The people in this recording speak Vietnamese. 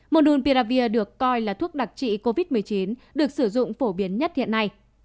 mononpiravir được coi là thuốc đặc trị covid một mươi chín được sử dụng phổ biến nhất hiện nay